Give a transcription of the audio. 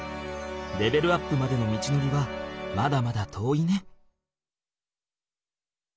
レベルアップまでの道のりはまだまだ遠いね。